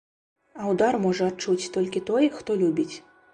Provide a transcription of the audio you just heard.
А ўдар можа адчуць толькі той, хто любіць.